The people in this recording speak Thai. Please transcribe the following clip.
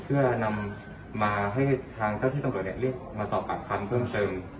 เพื่อนำมาให้ทางเจ้าที่ตำรวจเรียกมาสอบปากคำเพิ่มเติม